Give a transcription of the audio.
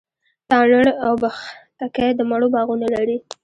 تارڼ اوبښتکۍ د مڼو باغونه لري.